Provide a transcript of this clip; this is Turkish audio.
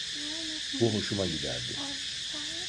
Bu hoşuma giderdi.